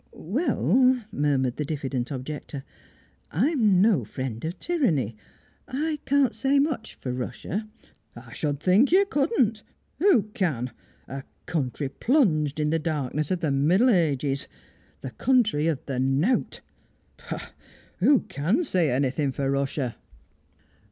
"Well," murmured the diffident objector, "I'm no friend of tyranny; I can't say much for Russia " "I should think you couldn't. Who can? A country plunged in the darkness of the Middle Ages! The country of the knout! Pah! Who can say anything for Russia?"